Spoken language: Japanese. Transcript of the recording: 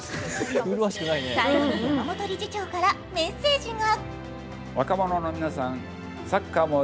最後に山本理事長からメッセージが。